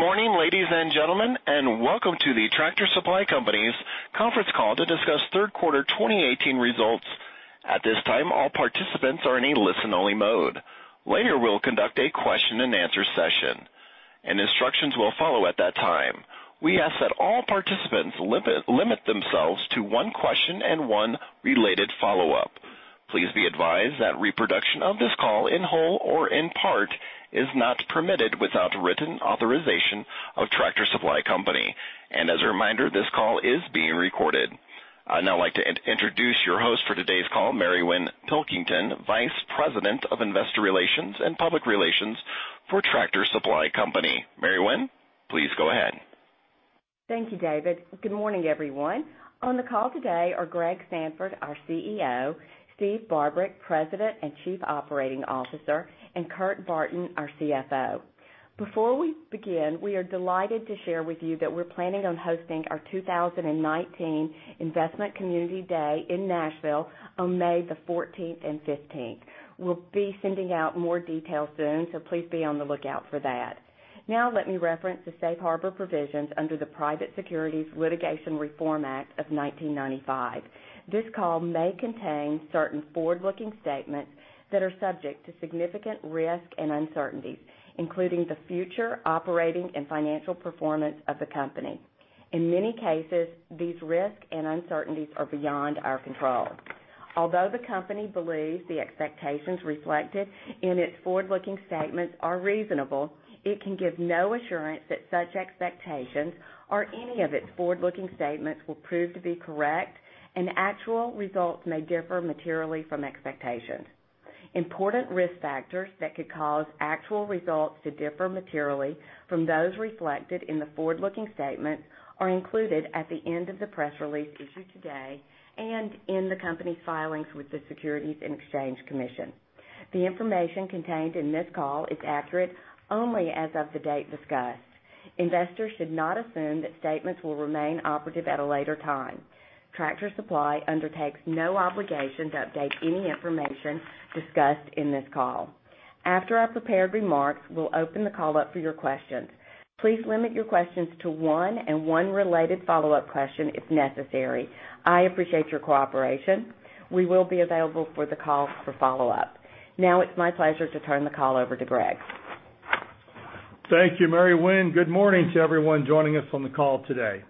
Good morning, ladies and gentlemen, and welcome to the Tractor Supply Company's conference call to discuss third quarter 2018 results. At this time, all participants are in a listen-only mode. Later, we'll conduct a question and answer session, and instructions will follow at that time. We ask that all participants limit themselves to one question and one related follow-up. Please be advised that reproduction of this call, in whole or in part, is not permitted without written authorization of Tractor Supply Company. As a reminder, this call is being recorded. I'd now like to introduce your host for today's call, Mary Winn Pilkington, Vice President of Investor Relations and Public Relations for Tractor Supply Company. Mary Winn, please go ahead. Thank you, David. Good morning, everyone. On the call today are Greg Sandfort, our CEO, Steve Barbarick, President and Chief Operating Officer, and Kurt Barton, our CFO. Before we begin, we are delighted to share with you that we're planning on hosting our 2019 Investment Community Day in Nashville on May the 14th and 15th. We'll be sending out more details soon, please be on the lookout for that. Let me reference the safe harbor provisions under the Private Securities Litigation Reform Act of 1995. This call may contain certain forward-looking statements that are subject to significant risks and uncertainties, including the future operating and financial performance of the company. In many cases, these risks and uncertainties are beyond our control. Although the company believes the expectations reflected in its forward-looking statements are reasonable, it can give no assurance that such expectations or any of its forward-looking statements will prove to be correct, actual results may differ materially from expectations. Important risk factors that could cause actual results to differ materially from those reflected in the forward-looking statement are included at the end of the press release issued today and in the company's filings with the Securities and Exchange Commission. The information contained in this call is accurate only as of the date discussed. Investors should not assume that statements will remain operative at a later time. Tractor Supply undertakes no obligation to update any information discussed in this call. After our prepared remarks, we'll open the call up for your questions. Please limit your questions to one and one related follow-up question if necessary. I appreciate your cooperation. We will be available for the call for follow-up. It's my pleasure to turn the call over to Greg. Thank you, Mary Winn. Good morning to everyone joining us on the call today.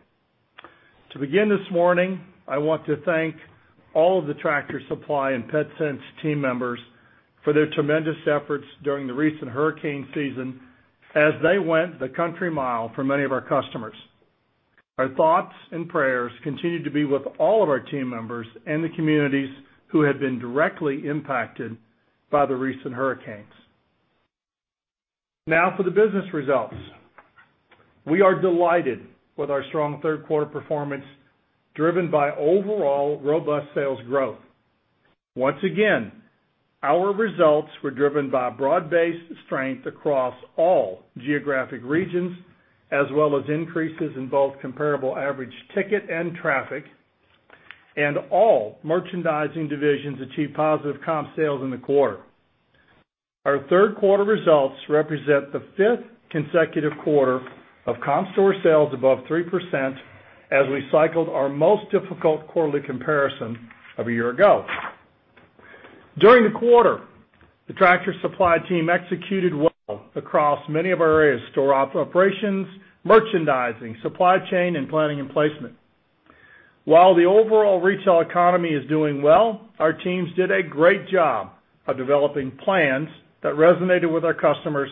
To begin this morning, I want to thank all of the Tractor Supply and Petsense team members for their tremendous efforts during the recent hurricane season as they went the country mile for many of our customers. Our thoughts and prayers continue to be with all of our team members and the communities who have been directly impacted by the recent hurricanes. Now for the business results. We are delighted with our strong third quarter performance, driven by overall robust sales growth. Once again, our results were driven by broad-based strength across all geographic regions, as well as increases in both comparable average ticket and traffic, all merchandising divisions achieved positive comp sales in the quarter. Our third quarter results represent the fifth consecutive quarter of comp store sales above 3% as we cycled our most difficult quarterly comparison of a year ago. During the quarter, the Tractor Supply team executed well across many of our areas: store operations, merchandising, supply chain, and planning and placement. While the overall retail economy is doing well, our teams did a great job of developing plans that resonated with our customers,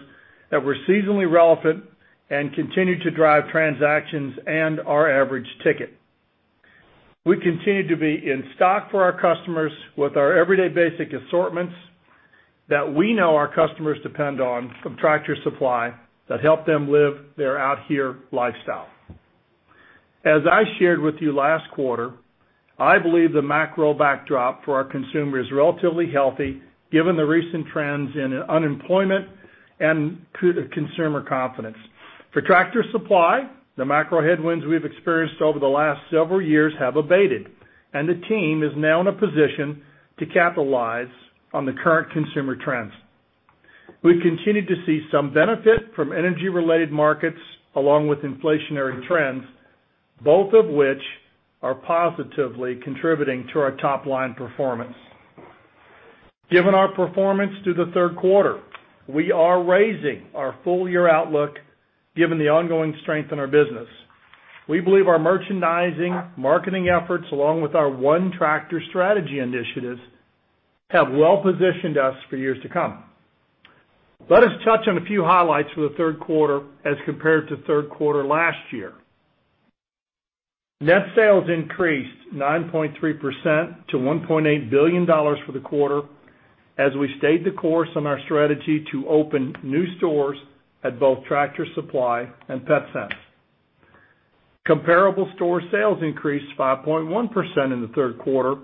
that were seasonally relevant and continued to drive transactions and our average ticket. We continued to be in stock for our customers with our everyday basic assortments that we know our customers depend on from Tractor Supply that help them live their out here lifestyle. As I shared with you last quarter, I believe the macro backdrop for our consumer is relatively healthy given the recent trends in unemployment and consumer confidence. For Tractor Supply, the macro headwinds we've experienced over the last several years have abated, and the team is now in a position to capitalize on the current consumer trends. We've continued to see some benefit from energy-related markets along with inflationary trends, both of which are positively contributing to our top-line performance. Given our performance through the third quarter, we are raising our full-year outlook given the ongoing strength in our business. We believe our merchandising, marketing efforts, along with our One Tractor strategy initiatives, have well-positioned us for years to come. Let us touch on a few highlights for the third quarter as compared to third quarter last year. Net sales increased 9.3% to $1.8 billion for the quarter as we stayed the course on our strategy to open new stores at both Tractor Supply and Petsense. Comparable store sales increased 5.1% in the third quarter,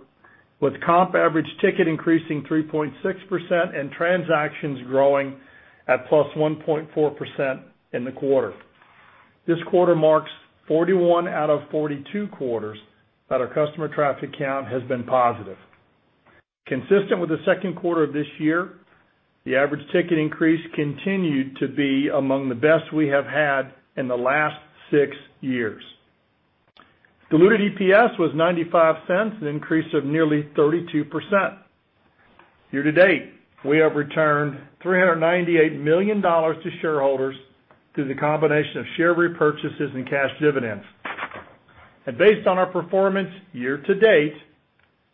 with comp average ticket increasing 3.6% and transactions growing at +1.4% in the quarter. This quarter marks 41 out of 42 quarters that our customer traffic count has been positive. Consistent with the second quarter of this year, the average ticket increase continued to be among the best we have had in the last six years. Diluted EPS was $0.95, an increase of nearly 32%. Year to date, we have returned $398 million to shareholders through the combination of share repurchases and cash dividends. Based on our performance year to date,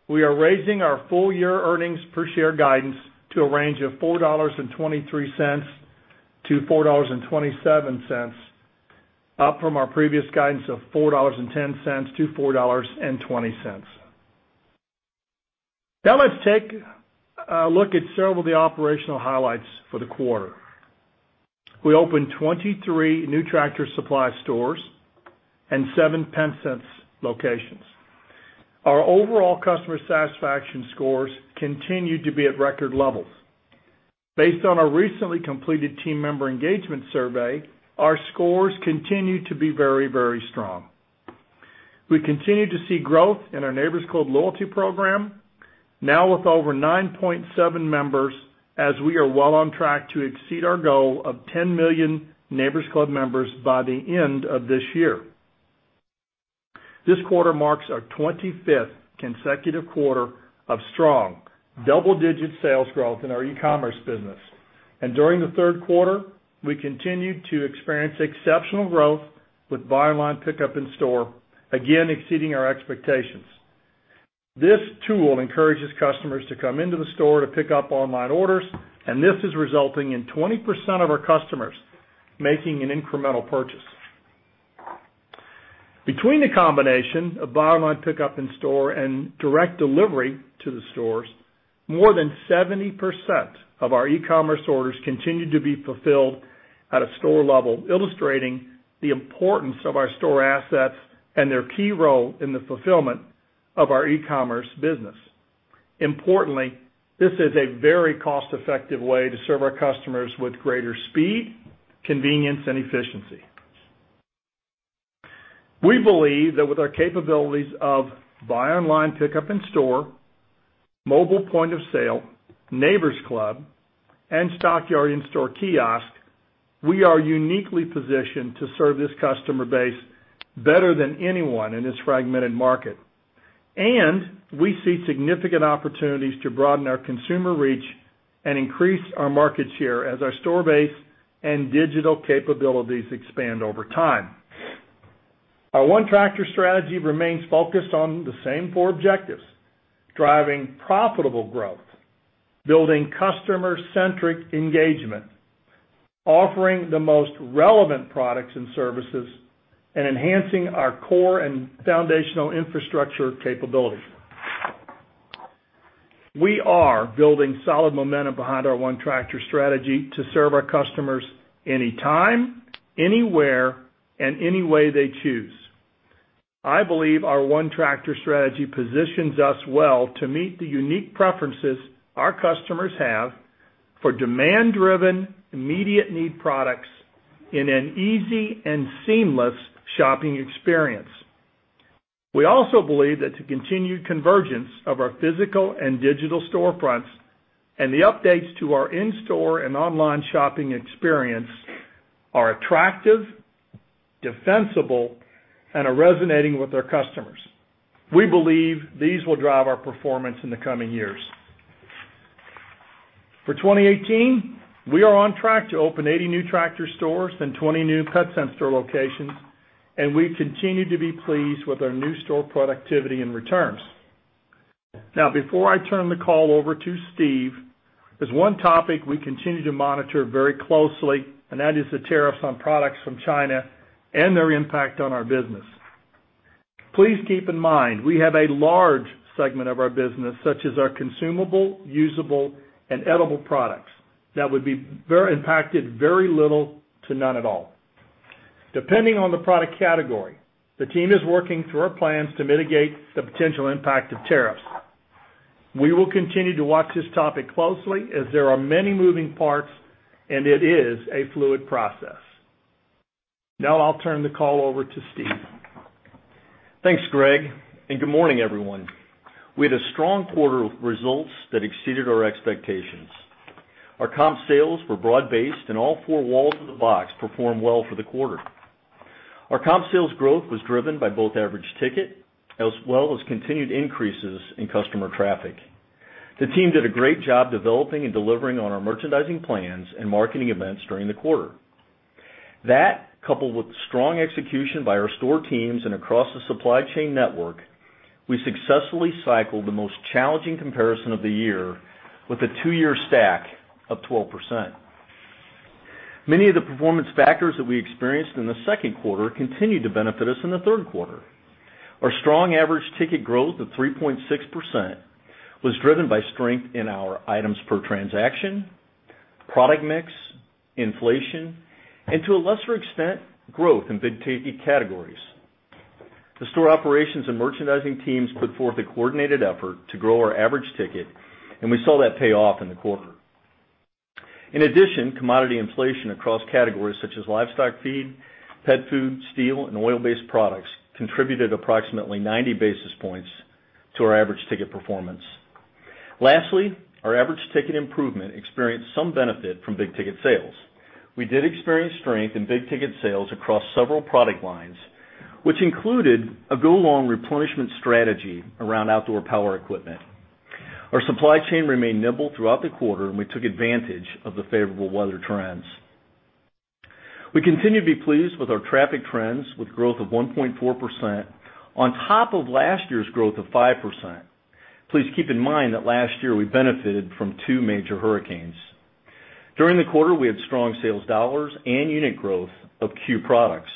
we are raising our full year earnings per share guidance to a range of $4.23-$4.27, up from our previous guidance of $4.10-$4.20. Now let's take a look at several of the operational highlights for the quarter. We opened 23 new Tractor Supply stores and 7 Petsense locations. Our overall customer satisfaction scores continued to be at record levels. Based on our recently completed team member engagement survey, our scores continue to be very, very strong. We continue to see growth in our Neighbor's Club loyalty program, now with over 9.7 million members, as we are well on track to exceed our goal of 10 million Neighbor's Club members by the end of this year. This quarter marks our 25th consecutive quarter of strong, double-digit sales growth in our e-commerce business. During the third quarter, we continued to experience exceptional growth with buy online, pickup in store, again exceeding our expectations. This tool encourages customers to come into the store to pick up online orders, and this is resulting in 20% of our customers making an incremental purchase. Between the combination of buy online pick up in store and direct delivery to the stores, more than 70% of our e-commerce orders continued to be fulfilled at a store level, illustrating the importance of our store assets and their key role in the fulfillment of our e-commerce business. Importantly, this is a very cost-effective way to serve our customers with greater speed, convenience, and efficiency. We believe that with our capabilities of buy online, pickup in store, mobile point of sale, Neighbor's Club, and Stockyard in-store kiosk, we are uniquely positioned to serve this customer base better than anyone in this fragmented market. We see significant opportunities to broaden our consumer reach and increase our market share as our store base and digital capabilities expand over time. Our One Tractor strategy remains focused on the same four objectives: driving profitable growth, building customer-centric engagement, offering the most relevant products and services, and enhancing our core and foundational infrastructure capabilities. We are building solid momentum behind our One Tractor strategy to serve our customers anytime, anywhere, and any way they choose. I believe our One Tractor strategy positions us well to meet the unique preferences our customers have for demand-driven, immediate-need products in an easy and seamless shopping experience. We also believe that the continued convergence of our physical and digital storefronts and the updates to our in-store and online shopping experience are attractive, defensible, and are resonating with our customers. We believe these will drive our performance in the coming years. For 2018, we are on track to open 80 new Tractor stores and 20 new Petsense store locations. Before I turn the call over to Steve, there's one topic we continue to monitor very closely, and that is the tariffs on products from China and their impact on our business. Please keep in mind, we have a large segment of our business, such as our consumable, usable, and edible products that would be impacted very little to none at all. Depending on the product category, the team is working through our plans to mitigate the potential impact of tariffs. We will continue to watch this topic closely as there are many moving parts, and it is a fluid process. I'll turn the call over to Steve. Thanks, Greg, and good morning, everyone. We had a strong quarter of results that exceeded our expectations. Our comp sales were broad-based, and all four walls of the box performed well for the quarter. Our comp sales growth was driven by both average ticket as well as continued increases in customer traffic. The team did a great job developing and delivering on our merchandising plans and marketing events during the quarter. That, coupled with strong execution by our store teams and across the supply chain network, we successfully cycled the most challenging comparison of the year with a 2-year stack of 12%. Many of the performance factors that we experienced in the second quarter continued to benefit us in the third quarter. Our strong average ticket growth of 3.6% was driven by strength in our items per transaction, product mix, inflation, and to a lesser extent, growth in big-ticket categories. The store operations and merchandising teams put forth a coordinated effort to grow our average ticket, and we saw that pay off in the quarter. In addition, commodity inflation across categories such as livestock feed, pet food, steel, and oil-based products contributed approximately 90 basis points to our average ticket performance. Lastly, our average ticket improvement experienced some benefit from big-ticket sales. We did experience strength in big-ticket sales across several product lines, which included a go-along replenishment strategy around outdoor power equipment. Our supply chain remained nimble throughout the quarter, and we took advantage of the favorable weather trends. We continue to be pleased with our traffic trends, with growth of 1.4% on top of last year's growth of 5%. Please keep in mind that last year we benefited from 2 major hurricanes. During the quarter, we had strong sales dollars and unit growth of CUE products.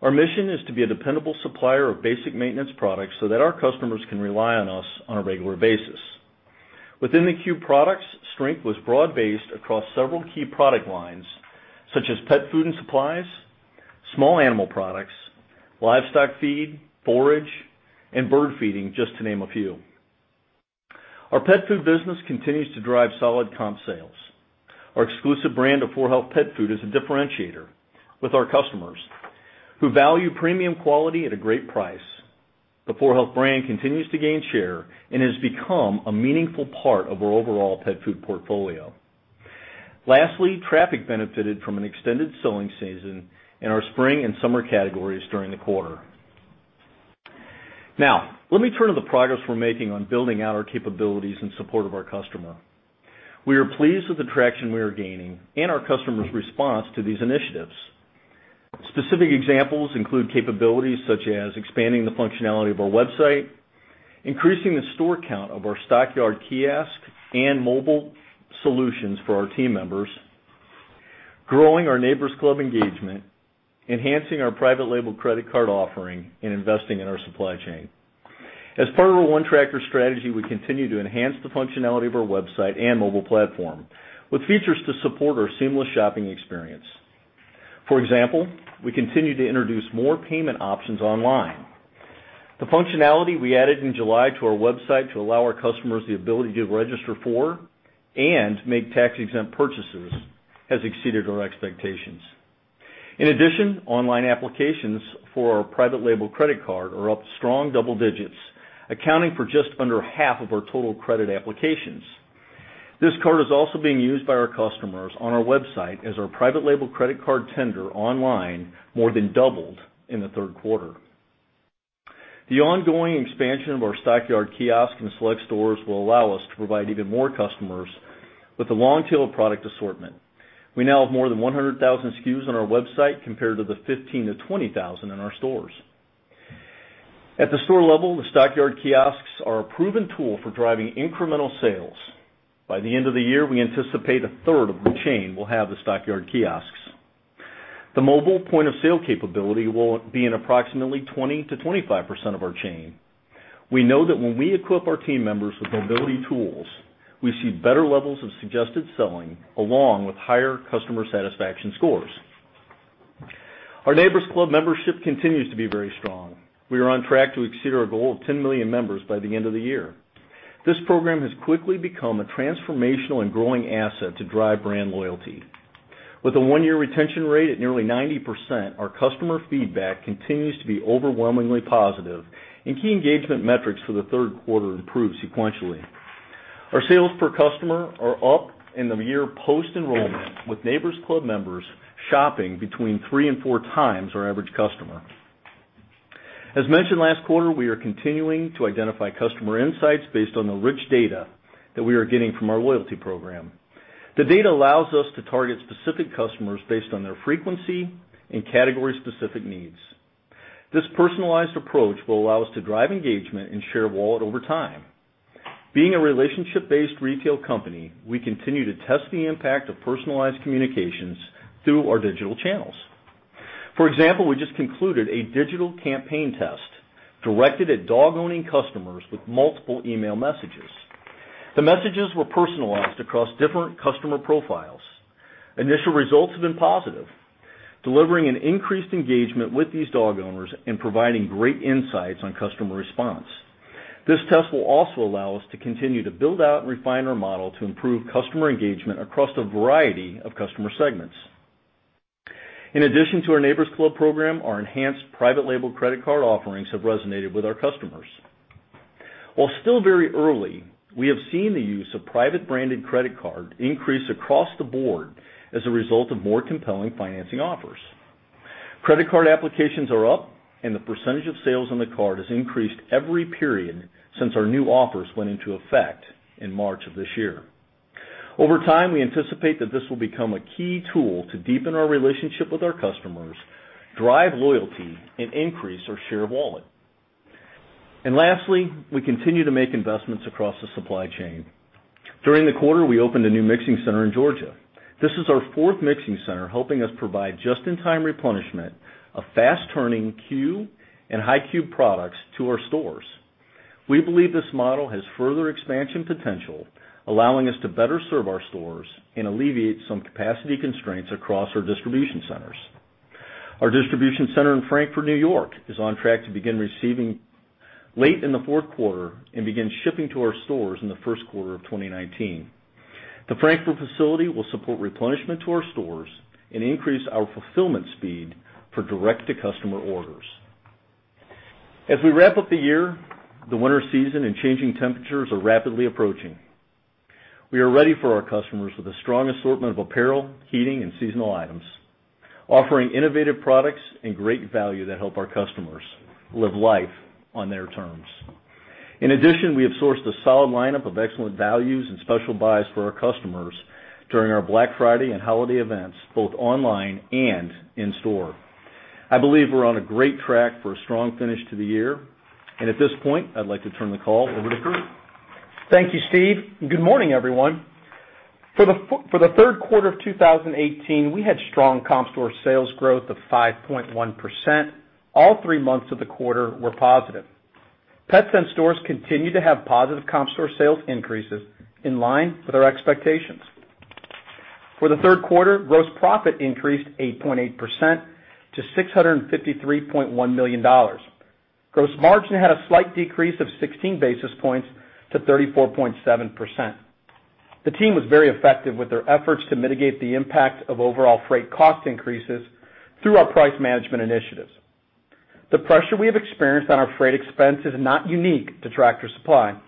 Our mission is to be a dependable supplier of basic maintenance products so that our customers can rely on us on a regular basis. Within the CUE products, strength was broad-based across several key product lines such as pet food and supplies, small animal products, livestock feed, forage, and bird feeding, just to name a few. Our pet food business continues to drive solid comp sales. Our exclusive brand of 4health pet food is a differentiator with our customers who value premium quality at a great price. The 4health brand continues to gain share and has become a meaningful part of our overall pet food portfolio. Lastly, traffic benefited from an extended selling season in our spring and summer categories during the quarter. Let me turn to the progress we're making on building out our capabilities in support of our customer. We are pleased with the traction we are gaining and our customers' response to these initiatives. Specific examples include capabilities such as expanding the functionality of our website, increasing the store count of our Stockyard kiosk and mobile solutions for our team members, growing our Neighbor's Club engagement, enhancing our private label credit card offering, and investing in our supply chain. As part of our One Tractor strategy, we continue to enhance the functionality of our website and mobile platform with features to support our seamless shopping experience. For example, we continue to introduce more payment options online. The functionality we added in July to our website to allow our customers the ability to register for and make tax-exempt purchases has exceeded our expectations. In addition, online applications for our private label credit card are up strong double digits, accounting for just under half of our total credit applications. This card is also being used by our customers on our website as our private label credit card tender online more than doubled in the third quarter. The ongoing expansion of our Stockyard kiosk in select stores will allow us to provide even more customers with a long tail of product assortment. We now have more than 100,000 SKUs on our website, compared to the 15 to 20,000 in our stores. At the store level, the Stockyard kiosks are a proven tool for driving incremental sales. By the end of the year, we anticipate a third of the chain will have the Stockyard kiosks. The mobile point-of-sale capability will be in approximately 20% to 25% of our chain. We know that when we equip our team members with mobility tools, we see better levels of suggested selling, along with higher customer satisfaction scores. Our Neighbor's Club membership continues to be very strong. We are on track to exceed our goal of 10 million members by the end of the year. This program has quickly become a transformational and growing asset to drive brand loyalty. With a one-year retention rate at nearly 90%, our customer feedback continues to be overwhelmingly positive, and key engagement metrics for the third quarter improved sequentially. Our sales per customer are up in the year post-enrollment, with Neighbor's Club members shopping between three and four times our average customer. As mentioned last quarter, we are continuing to identify customer insights based on the rich data that we are getting from our loyalty program. The data allows us to target specific customers based on their frequency and category-specific needs. This personalized approach will allow us to drive engagement and share wallet over time. Being a relationship-based retail company, we continue to test the impact of personalized communications through our digital channels. For example, we just concluded a digital campaign test directed at dog-owning customers with multiple email messages. The messages were personalized across different customer profiles. Initial results have been positive, delivering an increased engagement with these dog owners and providing great insights on customer response. This test will also allow us to continue to build out and refine our model to improve customer engagement across a variety of customer segments. In addition to our Neighbor's Club program, our enhanced private label credit card offerings have resonated with our customers. While still very early, we have seen the use of private branded credit card increase across the board as a result of more compelling financing offers. Lastly, we anticipate that this will become a key tool to deepen our relationship with our customers, drive loyalty, and increase our share of wallet. During the quarter, we opened a new mixing center in Georgia. This is our fourth mixing center, helping us provide just-in-time replenishment of fast-turning CUE and high CUE products to our stores. We believe this model has further expansion potential, allowing us to better serve our stores and alleviate some capacity constraints across our distribution centers. Our distribution center in Frankfort, New York is on track to begin receiving late in the fourth quarter and begin shipping to our stores in the first quarter of 2019. The Frankfort facility will support replenishment to our stores and increase our fulfillment speed for direct-to-customer orders. As we wrap up the year, the winter season and changing temperatures are rapidly approaching. We are ready for our customers with a strong assortment of apparel, heating, and seasonal items, offering innovative products and great value that help our customers live life on their terms. In addition, we have sourced a solid lineup of excellent values and special buys for our customers during our Black Friday and holiday events, both online and in store. I believe we're on a great track for a strong finish to the year. At this point, I'd like to turn the call over to Kurt. Thank you, Steve, and good morning, everyone. For the third quarter of 2018, we had strong comp store sales growth of 5.1%. All three months of the quarter were positive. Petsense stores continue to have positive comp store sales increases in line with our expectations. For the third quarter, gross profit increased 8.8% to $653.1 million. Gross margin had a slight decrease of 16 basis points to 34.7%. The team was very effective with their efforts to mitigate the impact of overall freight cost increases through our price management initiatives. The pressure we have experienced on our freight expense is not unique to Tractor Supply,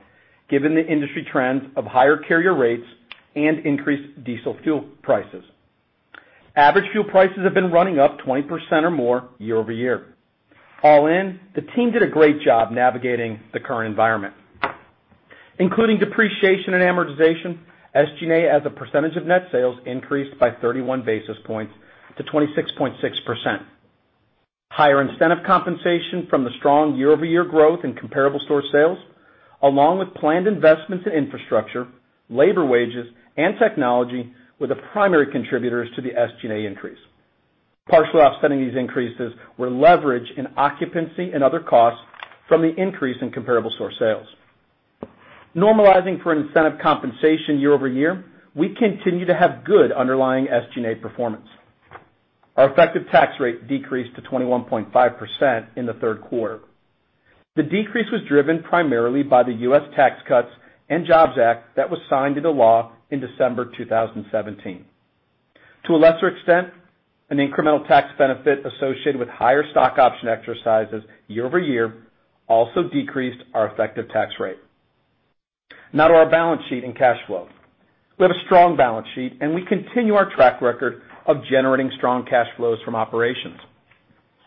given the industry trends of higher carrier rates and increased diesel fuel prices. Average fuel prices have been running up 20% or more year-over-year. All in, the team did a great job navigating the current environment. Including depreciation and amortization, SG&A, as a percentage of net sales, increased by 31 basis points to 26.6%. Higher incentive compensation from the strong year-over-year growth in comparable store sales, along with planned investments in infrastructure, labor wages, and technology, were the primary contributors to the SG&A increase. Partially offsetting these increases were leverage in occupancy and other costs from the increase in comparable store sales. Normalizing for incentive compensation year-over-year, we continue to have good underlying SG&A performance. Our effective tax rate decreased to 21.5% in the third quarter. The decrease was driven primarily by the U.S. Tax Cuts and Jobs Act that was signed into law in December 2017. To a lesser extent, an incremental tax benefit associated with higher stock option exercises year-over-year also decreased our effective tax rate. Now to our balance sheet and cash flow. We have a strong balance sheet. We continue our track record of generating strong cash flows from operations.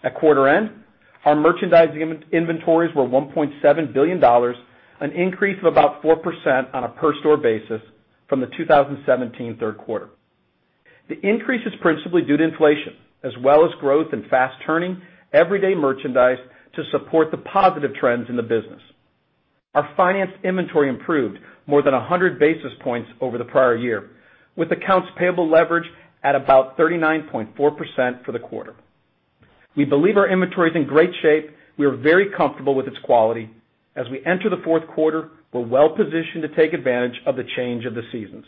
At quarter end, our merchandising inventories were $1.7 billion, an increase of about 4% on a per store basis from the 2017 third quarter. The increase is principally due to inflation, as well as growth in fast turning everyday merchandise to support the positive trends in the business. Our financed inventory improved more than 100 basis points over the prior year, with accounts payable leverage at about 39.4% for the quarter. We believe our inventory is in great shape. We are very comfortable with its quality. As we enter the fourth quarter, we're well positioned to take advantage of the change of the seasons.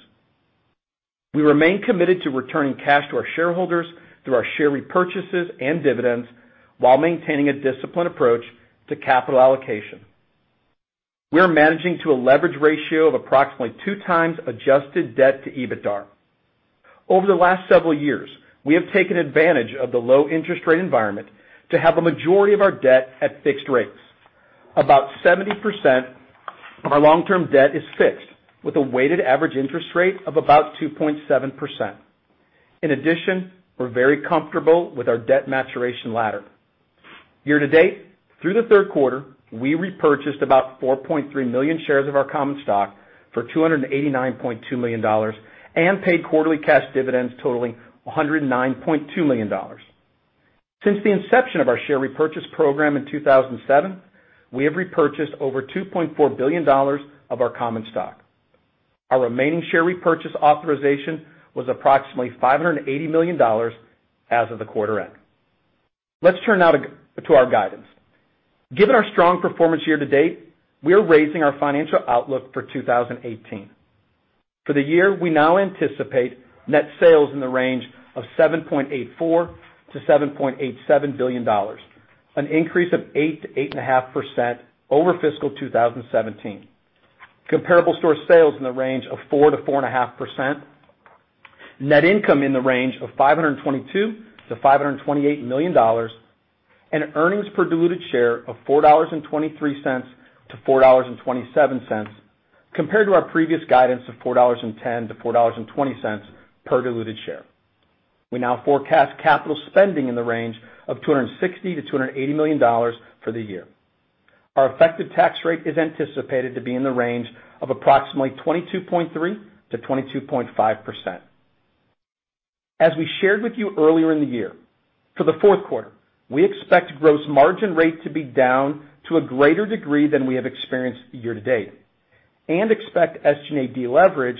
We remain committed to returning cash to our shareholders through our share repurchases and dividends while maintaining a disciplined approach to capital allocation. We are managing to a leverage ratio of approximately two times adjusted debt to EBITDA. Over the last several years, we have taken advantage of the low interest rate environment to have a majority of our debt at fixed rates. About 70% of our long-term debt is fixed with a weighted average interest rate of about 2.7%. In addition, we're very comfortable with our debt maturation ladder. Year to date, through the third quarter, we repurchased about 4.3 million shares of our common stock for $289.2 million and paid quarterly cash dividends totaling $109.2 million. Since the inception of our share repurchase program in 2007, we have repurchased over $2.4 billion of our common stock. Our remaining share repurchase authorization was approximately $580 million as of the quarter end. Let's turn now to our guidance. Given our strong performance year to date, we are raising our financial outlook for 2018. For the year, we now anticipate net sales in the range of $7.84 billion-$7.87 billion, an increase of 8%-8.5% over fiscal 2017. Comparable store sales in the range of 4%-4.5%, net income in the range of $522 million-$528 million, and earnings per diluted share of $4.23-$4.27, compared to our previous guidance of $4.10-$4.20 per diluted share. We now forecast capital spending in the range of $260 million-$280 million for the year. Our effective tax rate is anticipated to be in the range of approximately 22.3%-22.5%. As we shared with you earlier in the year, for the fourth quarter, we expect gross margin rate to be down to a greater degree than we have experienced year to date and expect SG&A deleverage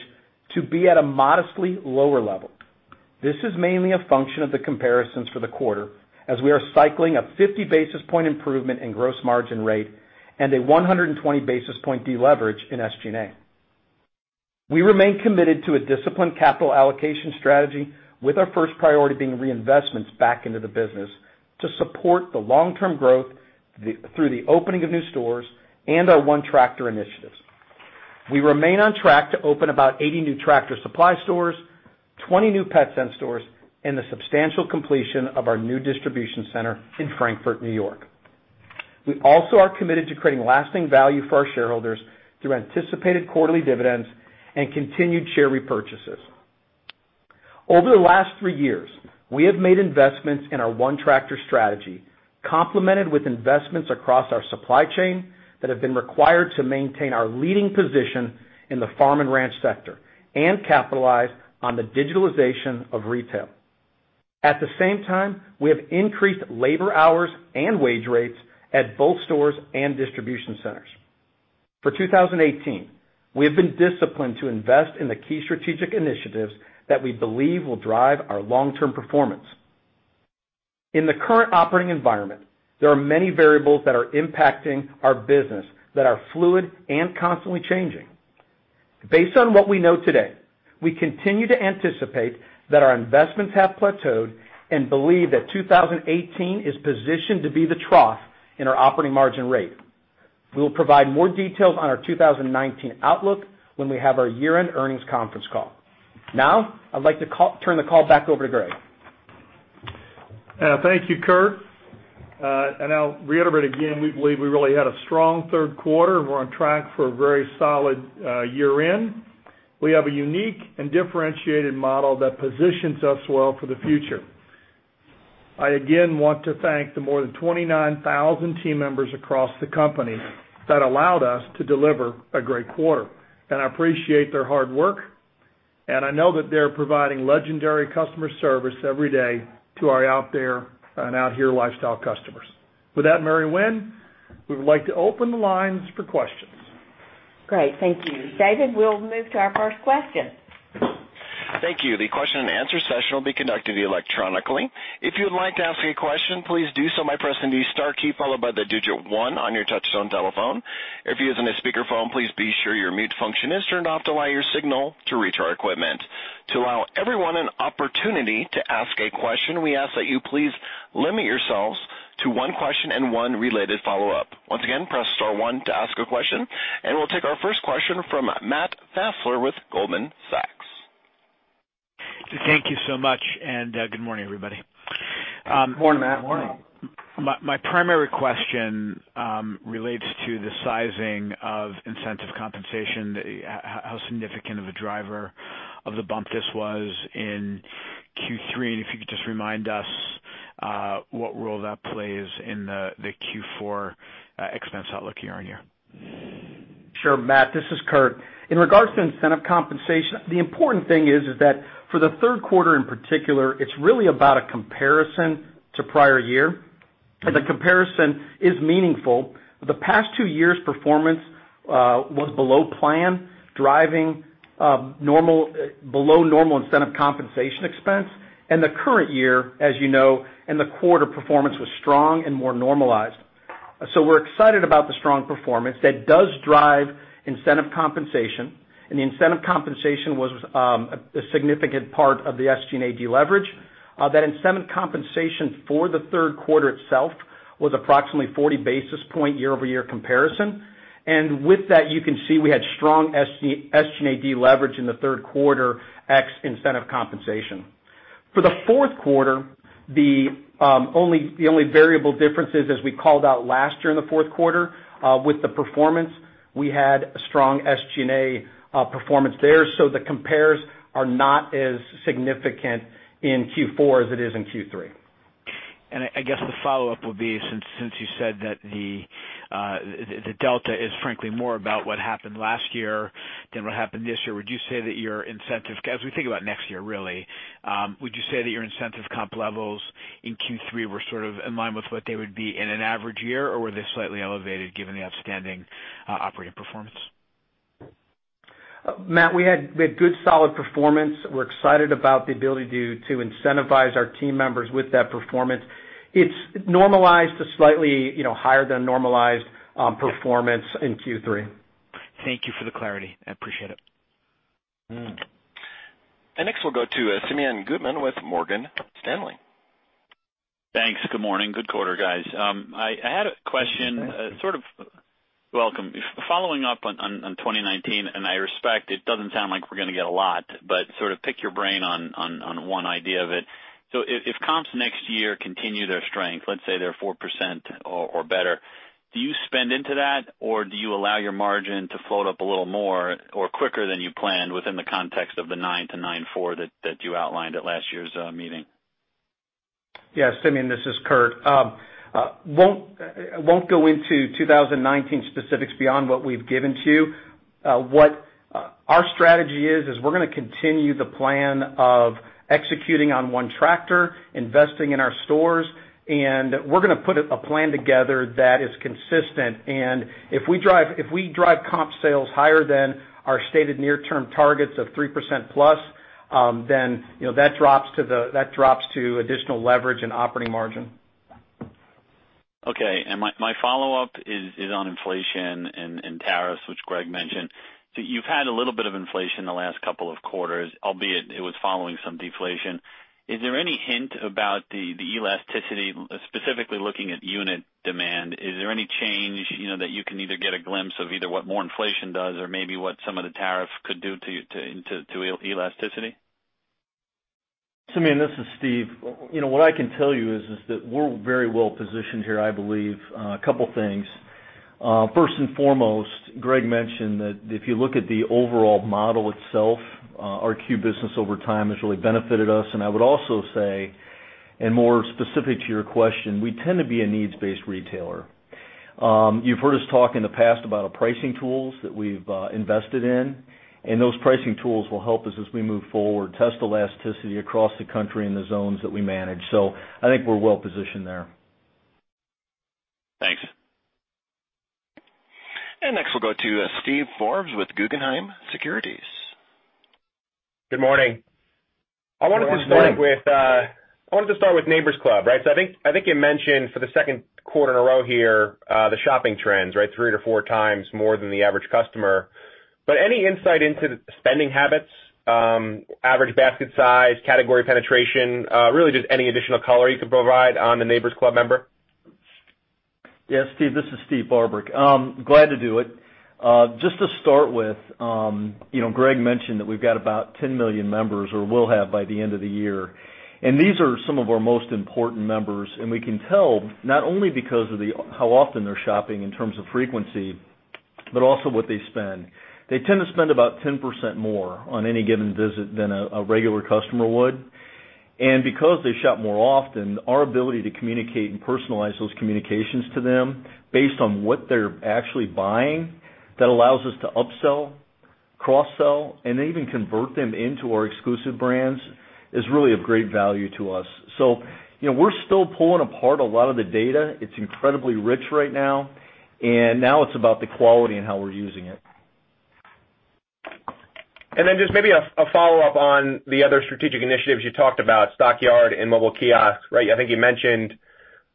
to be at a modestly lower level. This is mainly a function of the comparisons for the quarter, as we are cycling a 50 basis point improvement in gross margin rate and a 120 basis point deleverage in SG&A. We remain committed to a disciplined capital allocation strategy with our first priority being reinvestments back into the business to support the long-term growth through the opening of new stores and our One Tractor initiatives. We remain on track to open about 80 new Tractor Supply stores, 20 new Petsense stores, and the substantial completion of our new distribution center in Frankfort, New York. We also are committed to creating lasting value for our shareholders through anticipated quarterly dividends and continued share repurchases. Over the last three years, we have made investments in our One Tractor strategy, complemented with investments across our supply chain that have been required to maintain our leading position in the farm and ranch sector and capitalize on the digitalization of retail. At the same time, we have increased labor hours and wage rates at both stores and distribution centers. For 2018, we have been disciplined to invest in the key strategic initiatives that we believe will drive our long-term performance. In the current operating environment, there are many variables that are impacting our business that are fluid and constantly changing. Based on what we know today, we continue to anticipate that our investments have plateaued and believe that 2018 is positioned to be the trough in our operating margin rate. We will provide more details on our 2019 outlook when we have our year-end earnings conference call. I'd like to turn the call back over to Greg. Thank you, Kurt. I'll reiterate again, we believe we really had a strong third quarter. We're on track for a very solid year-end. We have a unique and differentiated model that positions us well for the future. I again want to thank the more than 29,000 team members across the company that allowed us to deliver a great quarter, and I appreciate their hard work, and I know that they're providing legendary customer service every day to our out there and out here lifestyle customers. With that, Mary Winn, we would like to open the lines for questions. Great. Thank you. David, we'll move to our first question. Thank you. The question and answer session will be conducted electronically. If you would like to ask a question, please do so by pressing the star key followed by the digit one on your touchtone telephone. If you're using a speakerphone, please be sure your mute function is turned off to allow your signal to reach our equipment. To allow everyone an opportunity to ask a question, we ask that you please limit yourselves to one question and one related follow-up. Once again, press star one to ask a question, and we'll take our first question from Matt Fassler with Goldman Sachs. Thank you so much. Good morning, everybody. Good morning, Matt. Morning. My primary question relates to the sizing of incentive compensation. How significant of a driver of the bump this was in Q3? If you could just remind us what role that plays in the Q4 expense outlook year-on-year. Sure, Matt, this is Kurt. In regards to incentive compensation, the important thing is that for the third quarter in particular, it's really about a comparison to prior year. The comparison is meaningful. The past two years' performance was below plan, driving below normal incentive compensation expense. The current year, as you know, and the quarter performance was strong and more normalized. We're excited about the strong performance that does drive incentive compensation, and the incentive compensation was a significant part of the SG&A deleverage. That incentive compensation for the third quarter itself was approximately 40 basis point year-over-year comparison. With that, you can see we had strong SG&A deleverage in the third quarter ex incentive compensation. For the fourth quarter, the only variable difference is, as we called out last year in the fourth quarter, with the performance, we had a strong SG&A performance there. The compares are not as significant in Q4 as it is in Q3. I guess the follow-up would be, since you said that the delta is frankly more about what happened last year than what happened this year. As we think about next year, really, would you say that your incentive comp levels in Q3 were sort of in line with what they would be in an average year, or were they slightly elevated given the outstanding operating performance? Matt, we had good, solid performance. We're excited about the ability to incentivize our team members with that performance. It's normalized to slightly higher than normalized performance in Q3. Thank you for the clarity. I appreciate it. Next we'll go to Simeon Gutman with Morgan Stanley. Thanks. Good morning. Good quarter, guys. I had a question. Thanks. Sort of following up on 2019, I respect it doesn't sound like we're going to get a lot, but sort of pick your brain on one idea of it. If comps next year continue their strength, let's say they're 4% or better, do you spend into that? Or do you allow your margin to float up a little more or quicker than you planned within the context of the nine% to 9.4% that you outlined at last year's meeting? Yes, Simeon, this is Kurt. Won't go into 2019 specifics beyond what we've given to you. What our strategy is we're going to continue the plan of executing on One Tractor, investing in our stores, and we're going to put a plan together that is consistent. If we drive comp sales higher than our stated near-term targets of 3% plus, then that drops to additional leverage and operating margin. Okay. My follow-up is on inflation and tariffs, which Greg mentioned. You've had a little bit of inflation the last couple of quarters, albeit it was following some deflation. Is there any hint about the elasticity, specifically looking at unit demand, is there any change that you can either get a glimpse of either what more inflation does or maybe what some of the tariff could do to elasticity? Simeon, this is Steve. What I can tell you is that we're very well positioned here, I believe, on a couple of things. First and foremost, Greg mentioned that if you look at the overall model itself, our CUE business over time has really benefited us. I would also say, and more specific to your question, we tend to be a needs-based retailer. You've heard us talk in the past about our pricing tools that we've invested in, and those pricing tools will help us as we move forward, test elasticity across the country in the zones that we manage. I think we're well positioned there. Thanks. Next, we'll go to Steven Forbes with Guggenheim Securities. Good morning. Good morning. I wanted to start with Neighbor's Club. I think you mentioned for the second quarter in a row here, the shopping trends, three to four times more than the average customer. Any insight into the spending habits, average basket size, category penetration, really just any additional color you could provide on the Neighbor's Club member? Yes, Steve, this is Steve Barbarick. Glad to do it. Just to start with, Greg mentioned that we've got about 10 million members or will have by the end of the year, and these are some of our most important members. We can tell not only because of how often they're shopping in terms of frequency, but also what they spend. They tend to spend about 10% more on any given visit than a regular customer would. Because they shop more often, our ability to communicate and personalize those communications to them based on what they're actually buying, that allows us to upsell, cross-sell, and even convert them into our exclusive brands, is really of great value to us. We're still pulling apart a lot of the data. It's incredibly rich right now, and now it's about the quality and how we're using it. Just maybe a follow-up on the other strategic initiatives you talked about, Stockyard and mobile kiosk. I think you mentioned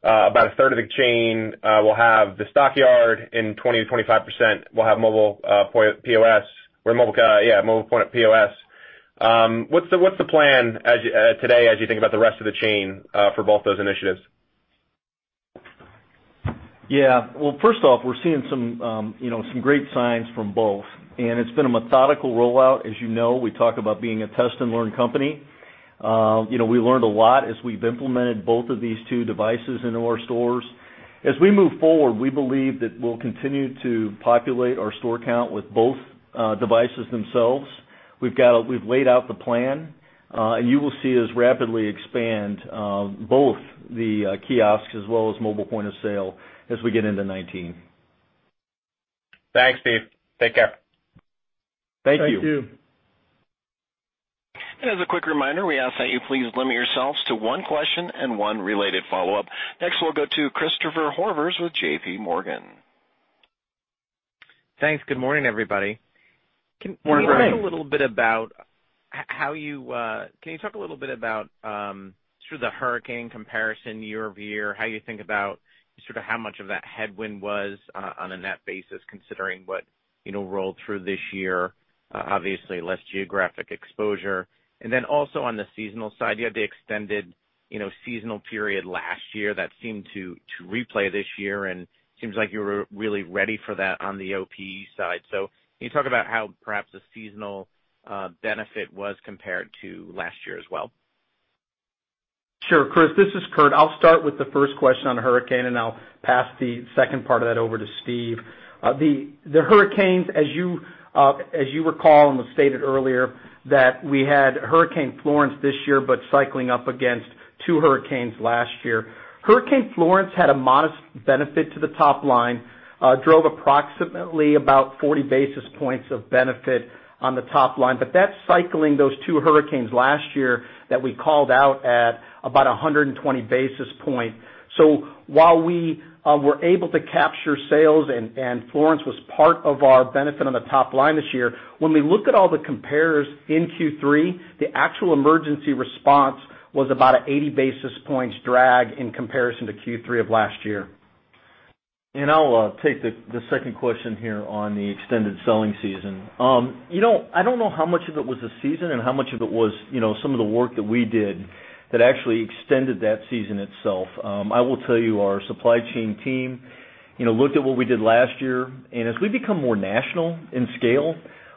about a third of the chain will have the Stockyard and 20%-25% will have mobile point of POS. What's the plan today as you think about the rest of the chain for both those initiatives? Yeah. Well, first off, we're seeing some great signs from both. It's been a methodical rollout. As you know, we talk about being a test and learn company. We learned a lot as we've implemented both of these two devices into our stores. As we move forward, we believe that we'll continue to populate our store count with both devices themselves. We've laid out the plan. You will see us rapidly expand both the kiosks as well as mobile point of sale as we get into 2019. Thanks, Steve. Take care. Thank you. As a quick reminder, we ask that you please limit yourselves to one question and one related follow-up. Next, we will go to Christopher Horvers with JPMorgan. Thanks. Good morning, everybody. Good morning. Can you talk a little bit about sort of the hurricane comparison year-over-year, how you think about sort of how much of that headwind was on a net basis, considering what rolled through this year, obviously less geographic exposure. Then also on the seasonal side, you had the extended seasonal period last year that seemed to replay this year, and seems like you were really ready for that on the OPE side. Can you talk about how perhaps the seasonal benefit was compared to last year as well? Sure, Chris, this is Kurt. I'll start with the first question on hurricane. I'll pass the second part of that over to Steve. The hurricanes, as you recall, and was stated earlier, that we had Hurricane Florence this year, cycling up against two hurricanes last year. Hurricane Florence had a modest benefit to the top line, drove approximately about 40 basis points of benefit on the top line. That's cycling those two hurricanes last year that we called out at about 120 basis points. While we were able to capture sales and Florence was part of our benefit on the top line this year, when we look at all the comparers in Q3, the actual emergency response was about a 80 basis points drag in comparison to Q3 of last year. I'll take the second question here on the extended selling season. I don't know how much of it was the season and how much of it was some of the work that we did that actually extended that season itself. I will tell you, our supply chain team looked at what we did last year. As we become more national in scale,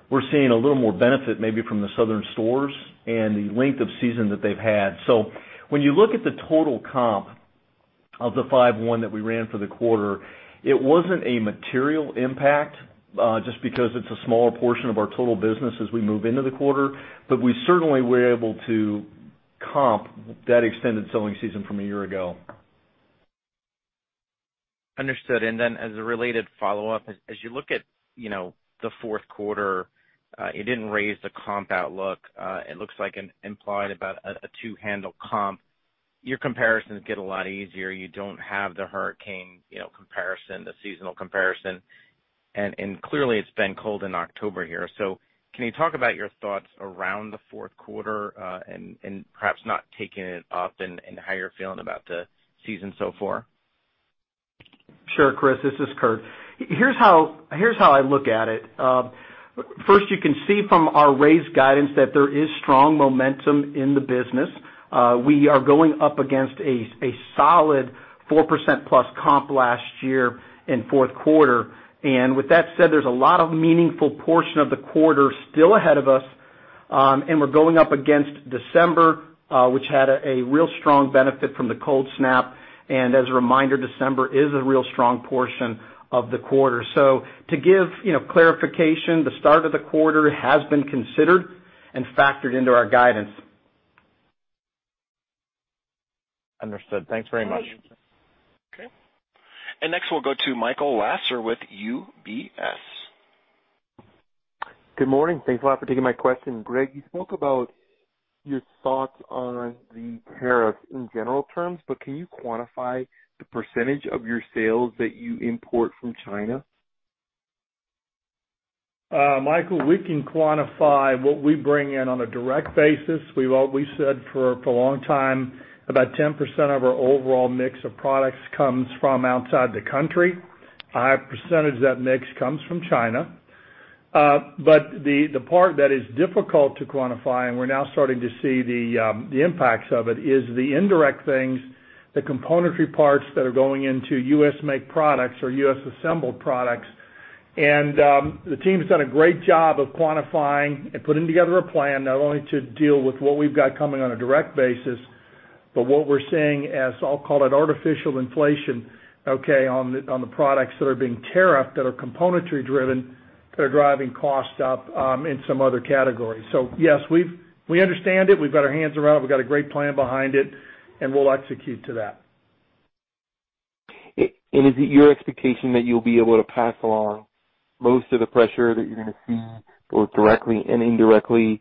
we're seeing a little more benefit maybe from the southern stores and the length of season that they've had. When you look at the total comp of the 5.1 that we ran for the quarter, it wasn't a material impact, just because it's a smaller portion of our total business as we move into the quarter. We certainly were able to comp that extended selling season from a year ago. Understood. Then as a related follow-up, as you look at the fourth quarter, it didn't raise the comp outlook. It looks like an implied about a two-handle comp. Your comparisons get a lot easier. You don't have the hurricane comparison, the seasonal comparison. Clearly it's been cold in October here. Can you talk about your thoughts around the fourth quarter, and perhaps not taking it up and how you're feeling about the season so far? Sure, Chris, this is Kurt. Here's how I look at it. First, you can see from our raised guidance that there is strong momentum in the business. We are going up against a solid 4%+ comp last year in fourth quarter. With that said, there's a lot of meaningful portion of the quarter still ahead of us, and we're going up against December, which had a real strong benefit from the cold snap. As a reminder, December is a real strong portion of the quarter. To give clarification, the start of the quarter has been considered and factored into our guidance. Understood. Thanks very much. Okay. Next we'll go to Michael Lasser with UBS. Good morning. Thanks a lot for taking my question. Greg, you spoke about your thoughts on the tariff in general terms, can you quantify the percentage of your sales that you import from China? Michael, we can quantify what we bring in on a direct basis. We've always said for a long time, about 10% of our overall mix of products comes from outside the country. A high percentage of that mix comes from China. The part that is difficult to quantify, and we're now starting to see the impacts of it, is the indirect things, the componentry parts that are going into U.S.-made products or U.S.-assembled products. The team has done a great job of quantifying and putting together a plan not only to deal with what we've got coming on a direct basis, but what we're seeing as, I'll call it artificial inflation, okay, on the products that are being tariffed, that are componentry driven, that are driving costs up in some other categories. Yes, we understand it. We've got our hands around it. We've got a great plan behind it, and we'll execute to that. Is it your expectation that you'll be able to pass along most of the pressure that you're going to see both directly and indirectly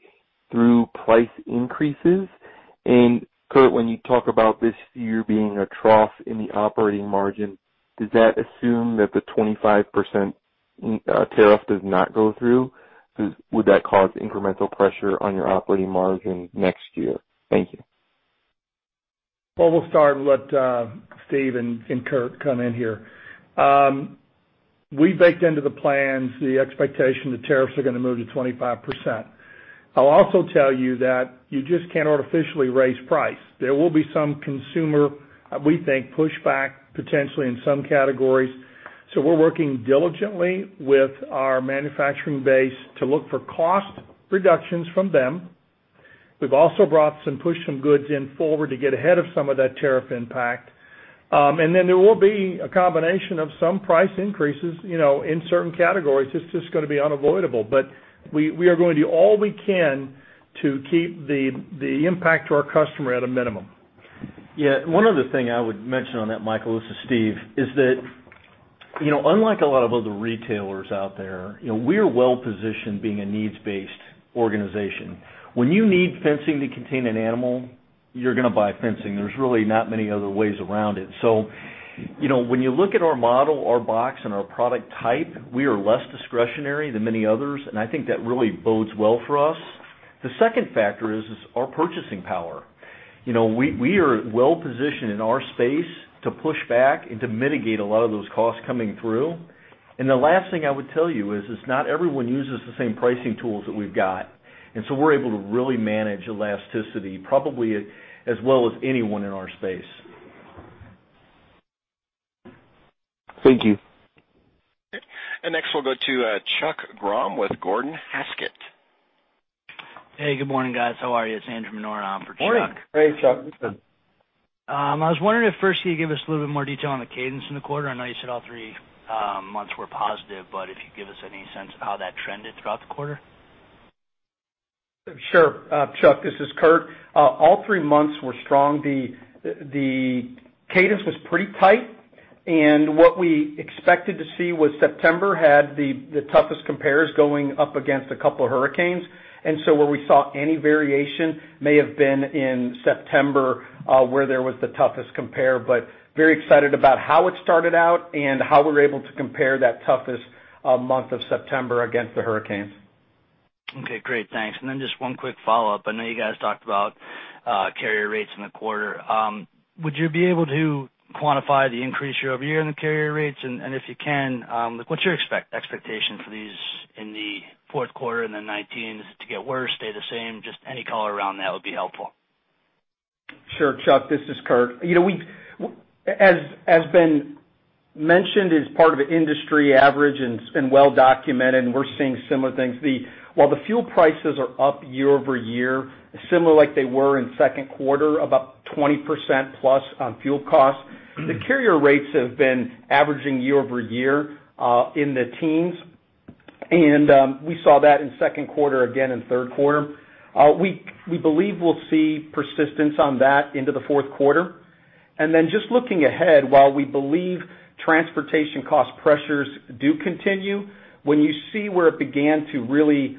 through price increases? Kurt, when you talk about this year being a trough in the operating margin, does that assume that the 25% tariff does not go through? Would that cause incremental pressure on your operating margin next year? Thank you. Well, we'll start and let Steve and Kurt come in here. We baked into the plans the expectation that tariffs are going to move to 25%. I'll also tell you that you just can't artificially raise price. There will be some consumer, we think, push back potentially in some categories, so we're working diligently with our manufacturing base to look for cost reductions from them. We've also brought some, pushed some goods in forward to get ahead of some of that tariff impact. Then there will be a combination of some price increases in certain categories. It's just going to be unavoidable. We are going to do all we can to keep the impact to our customer at a minimum. One other thing I would mention on that, Michael, this is Steve, is that unlike a lot of other retailers out there, we are well-positioned being a needs-based organization. When you need fencing to contain an animal, you're going to buy fencing. There's really not many other ways around it. When you look at our model, our box, and our product type, we are less discretionary than many others, and I think that really bodes well for us. The second factor is our purchasing power. We are well-positioned in our space to push back and to mitigate a lot of those costs coming through. The last thing I would tell you is not everyone uses the same pricing tools that we've got, and so we're able to really manage elasticity probably as well as anyone in our space. Thank you. Next, we'll go to Chuck Grom with Gordon Haskett. Good morning, guys. How are you? It's Andrew Minora on for Chuck. Morning. Hey, Chuck. I was wondering if first you could give us a little bit more detail on the cadence in the quarter. I know you said all three months were positive, but if you could give us any sense of how that trended throughout the quarter. Sure. Chuck, this is Kurt. All three months were strong. The cadence was pretty tight. Where we saw any variation may have been in September, where there was the toughest compare. Very excited about how it started out and how we were able to compare that toughest month of September against the hurricanes. Okay, great. Thanks. Just one quick follow-up. I know you guys talked about carrier rates in the quarter. Would you be able to quantify the increase year-over-year in the carrier rates? If you can, what's your expectation for these in the fourth quarter and then 2019? Is it to get worse, stay the same? Just any color around that would be helpful. Sure, Chuck, this is Kurt. As been mentioned as part of an industry average and it's been well documented and we're seeing similar things. While the fuel prices are up year-over-year, similar like they were in second quarter, about 20%+ on fuel costs, the carrier rates have been averaging year-over-year, in the teens. We saw that in second quarter again in third quarter. We believe we'll see persistence on that into the fourth quarter. Just looking ahead, while we believe transportation cost pressures do continue. When you see where it began to really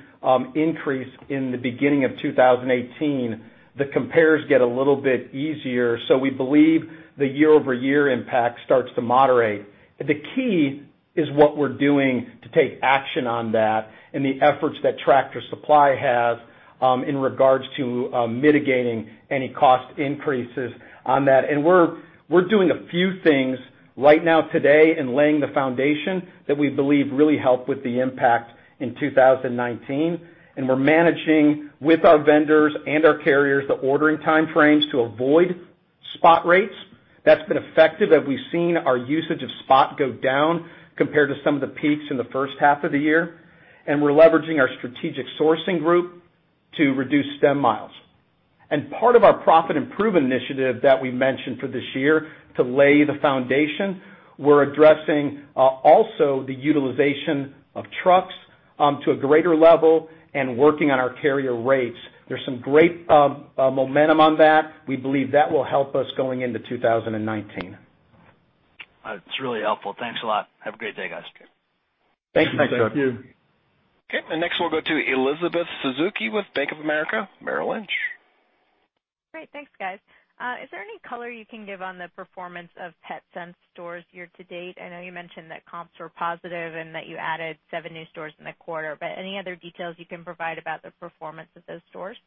increase in the beginning of 2018, the compares get a little bit easier. We believe the year-over-year impact starts to moderate. The key is what we're doing to take action on that and the efforts that Tractor Supply has in regards to mitigating any cost increases on that. We're doing a few things right now today and laying the foundation that we believe really help with the impact in 2019. We're managing with our vendors and our carriers the ordering time frames to avoid spot rates. That's been effective as we've seen our usage of spot go down compared to some of the peaks in the first half of the year. We're leveraging our strategic sourcing group to reduce stem miles. Part of our profit improvement initiative that we mentioned for this year to lay the foundation, we're addressing also the utilization of trucks to a greater level and working on our carrier rates. There's some great momentum on that. We believe that will help us going into 2019. That's really helpful. Thanks a lot. Have a great day, guys. Thank you. Thanks. Thank you. Next we'll go to Elizabeth Suzuki with Bank of America Merrill Lynch. Great. Thanks, guys. Is there any color you can give on the performance of Petsense stores year to date? I know you mentioned that comps were positive and that you added seven new stores in the quarter, Any other details you can provide about the performance of those stores?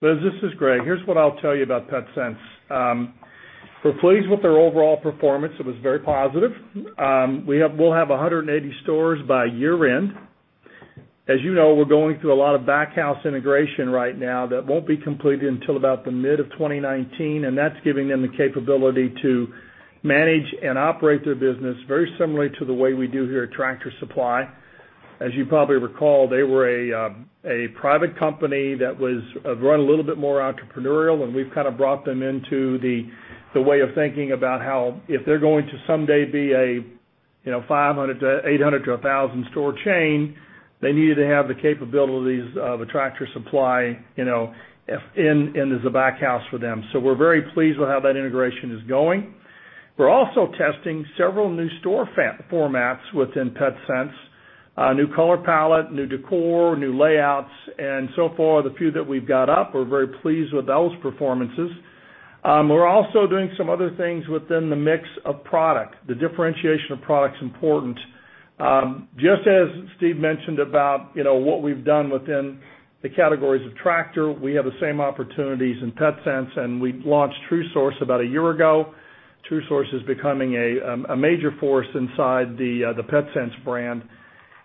Liz, this is Greg. Here's what I'll tell you about Petsense. We're pleased with their overall performance. It was very positive. We'll have 180 stores by year end. As you know, we're going through a lot of back house integration right now that won't be completed until about the mid of 2019, That's giving them the capability to manage and operate their business very similarly to the way we do here at Tractor Supply. As you probably recall, they were a private company that was run a little bit more entrepreneurial, We've kind of brought them into the way of thinking about how, if they're going to someday be a 500 to 800 to 1,000 store chain, they needed to have the capabilities of a Tractor Supply in the back house for them. We're very pleased with how that integration is going. We're also testing several new store formats within Petsense, a new color palette, new decor, new layouts. So far, the few that we've got up, we're very pleased with those performances. We're also doing some other things within the mix of product. The differentiation of product's important. Just as Steve mentioned about what we've done within the categories of Tractor, we have the same opportunities in Petsense. We launched True Source about a year ago. True Source is becoming a major force inside the Petsense brand.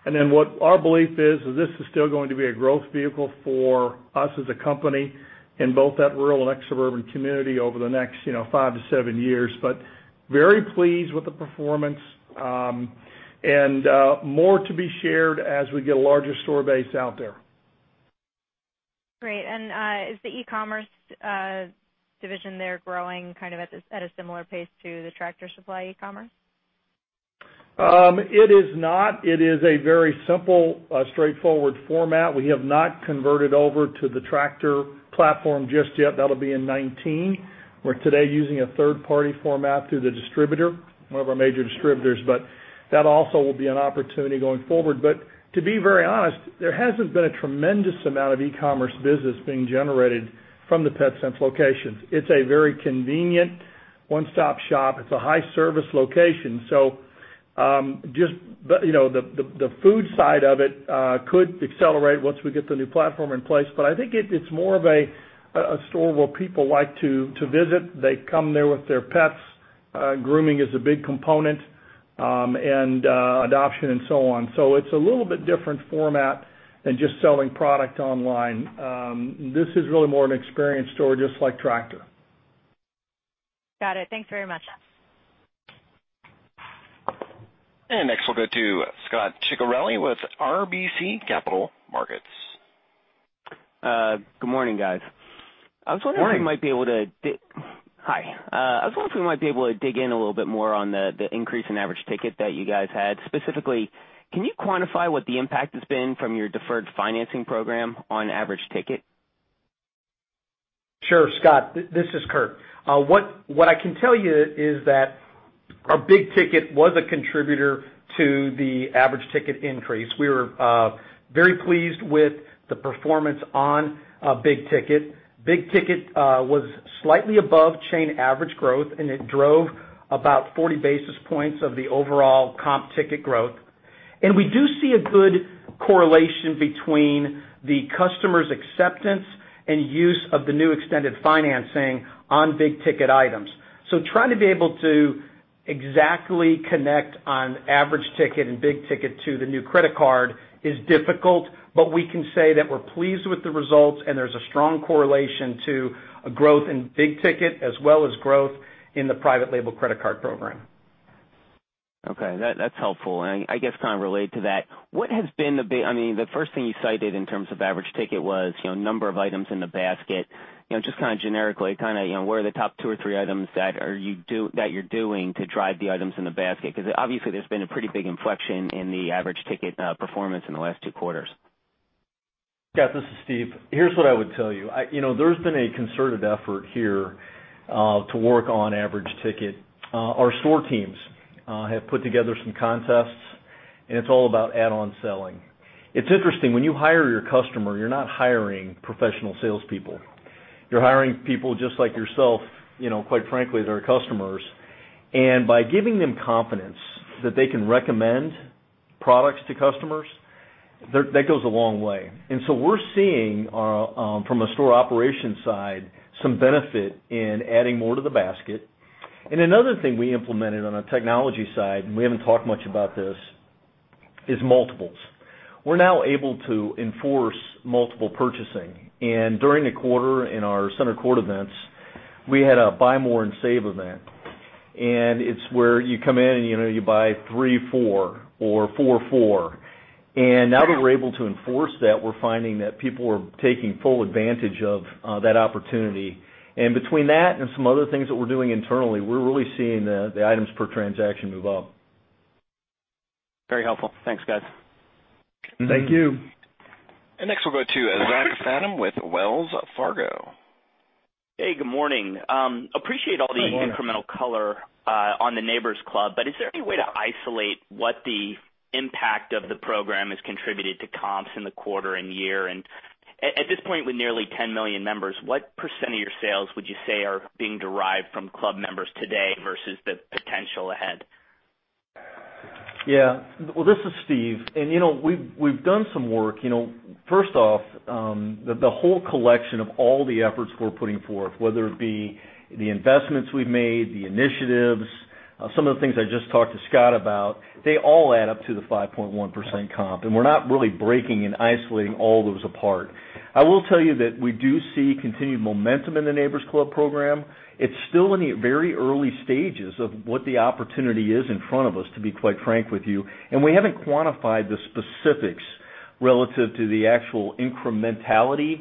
What our belief is that this is still going to be a growth vehicle for us as a company in both that rural and ex-suburban community over the next five to seven years. Very pleased with the performance. More to be shared as we get a larger store base out there. Great. Is the e-commerce division there growing at a similar pace to the Tractor Supply e-commerce? It is not. It is a very simple, straightforward format. We have not converted over to the Tractor platform just yet. That'll be in 2019. We're today using a third-party format through the distributor, one of our major distributors. That also will be an opportunity going forward. To be very honest, there hasn't been a tremendous amount of e-commerce business being generated from the Petsense locations. It's a very convenient one-stop shop. It's a high service location. The food side of it could accelerate once we get the new platform in place. I think it's more of a store where people like to visit. They come there with their pets. Grooming is a big component. Adoption and so on. It's a little bit different format than just selling product online. This is really more an experience store, just like Tractor. Got it. Thanks very much. Next we'll go to Scot Ciccarelli with RBC Capital Markets. Good morning, guys. Morning. Hi. I was wondering if we might be able to dig in a little bit more on the increase in average ticket that you guys had. Specifically, can you quantify what the impact has been from your deferred financing program on average ticket? Sure, Scot, this is Kurt. What I can tell you is that our big ticket was a contributor to the average ticket increase. We were very pleased with the performance on big ticket. Big ticket was slightly above chain average growth, and it drove about 40 basis points of the overall comp ticket growth. We do see a good correlation between the customer's acceptance and use of the new extended financing on big ticket items. Trying to be able to exactly connect on average ticket and big ticket to the new credit card is difficult, but we can say that we're pleased with the results and there's a strong correlation to a growth in big ticket as well as growth in the private label credit card program. Okay. That's helpful. I guess kind of related to that, the first thing you cited in terms of average ticket was number of items in the basket. Just kind of generically, what are the top two or three items that you're doing to drive the items in the basket? Because obviously there's been a pretty big inflection in the average ticket performance in the last two quarters. Scot, this is Steve. Here's what I would tell you. There's been a concerted effort here to work on average ticket. Our store teams have put together some contests, it's all about add-on selling. It's interesting, when you hire your customer, you're not hiring professional salespeople. You're hiring people just like yourself, quite frankly, that are customers. By giving them confidence that they can recommend products to customers, that goes a long way. So we're seeing, from a store operation side, some benefit in adding more to the basket. Another thing we implemented on the technology side, we haven't talked much about this, is multiples. We're now able to enforce multiple purchasing. During the quarter, in our Center Court events, we had a buy more and save event, it's where you come in and you buy three four or four four. Now that we're able to enforce that, we're finding that people are taking full advantage of that opportunity. Between that and some other things that we're doing internally, we're really seeing the items per transaction move up. Very helpful. Thanks, guys. Thank you. Next, we'll go to Zachary Fadem with Wells Fargo. Hey, good morning. Appreciate all the- Good morning. incremental color on the Neighbor's Club, is there any way to isolate what the impact of the program has contributed to comps in the quarter and year? At this point, with nearly 10 million members, what % of your sales would you say are being derived from club members today versus the potential ahead? Yeah. Well, this is Steve. We've done some work. First off, the whole collection of all the efforts we're putting forth, whether it be the investments we've made, the initiatives, some of the things I just talked to Scot about, they all add up to the 5.1% comp, we're not really breaking and isolating all those apart. I will tell you that we do see continued momentum in the Neighbor's Club program. It's still in the very early stages of what the opportunity is in front of us, to be quite frank with you. We haven't quantified the specifics relative to the actual incrementality